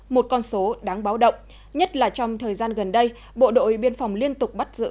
một con số đáng báo động nhất là trong thời gian gần đây bộ đội biên phòng liên tục bắt giữ